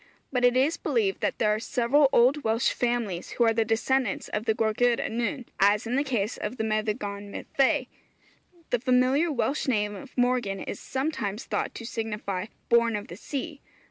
But it is believed that there are several old Welsh families who are the descendants of the Gwragedd Annwn, as in the case of the Meddygon Myddfai. The familiar Welsh name of Morgan is sometimes thought to signify, 'Born of the Sea.'